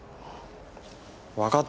わかった。